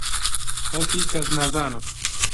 خەڵکی کەسنەزانم.